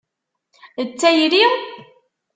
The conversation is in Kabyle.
D tayri?